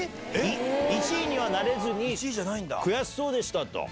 １位にはなれずに、悔しそうでしたと。